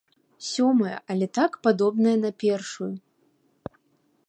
Сёмая, але так падобная на першую.